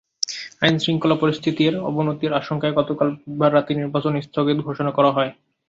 আইনশৃঙ্খলা পরিস্থিতির অবনতির আশঙ্কায় গতকাল বুধবার রাতে নির্বাচন স্থগিত ঘোষণা করা হয়।